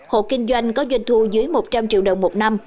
hộ kinh doanh có doanh thu dưới một trăm linh triệu đồng một năm